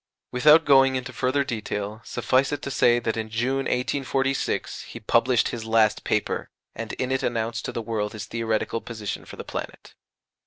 Without going into further detail, suffice it to say that in June, 1846, he published his last paper, and in it announced to the world his theoretical position for the planet.